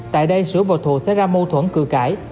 tại đây sửu và thụ sẽ ra mâu thuẫn cử cãi